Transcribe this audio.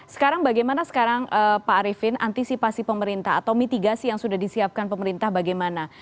sekarang bagaimana sekarang pak arifin antisipasi pemerintah atau mitigasi yang sudah disiapkan pemerintah bagaimana